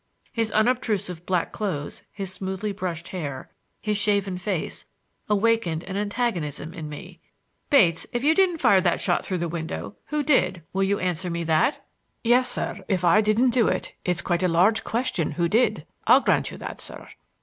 His unobtrusive black clothes, his smoothly brushed hair, his shaven face, awakened an antagonism in me. "Bates, if you didn't fire that shot through the window, who did—will you answer me that?" "Yes, sir; if I didn't do it, it's quite a large question who did. I'll grant you that, sir."